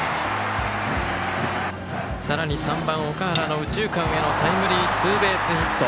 さらに３番、岳原の右中間へのタイムリーツーベースヒット。